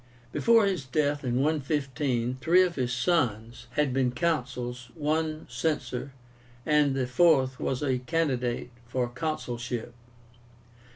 Before his death in 115 three of his sons had been consuls, one censor, and the fourth was a candidate for the consulship.